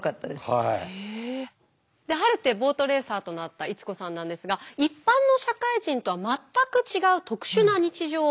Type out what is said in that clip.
で晴れてボートレーサーとなった逸子さんなんですが一般の社会人とは全く違う特殊な日常を送ることになりました。